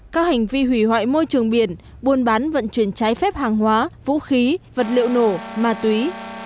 các hành vi hủy hoại môi trường biển buôn bán vận chuyển trái phép hàng hóa vũ khí vật liệu nổ ma túy